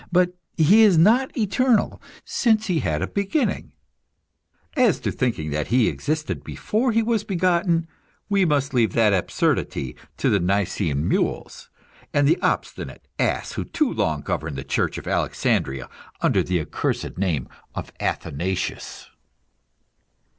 But He is not eternal, since He had a beginning; as to thinking that He existed before He was begotten, we must leave that absurdity to the Nicaean mules, and the obstinate ass who too long governed the Church of Alexandria under the accursed name of Athanasius.